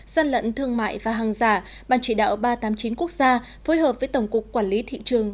gian lận thương mại và hàng giả ban chỉ đạo ba trăm tám mươi chín quốc gia phối hợp với tổng cục quản lý thị trường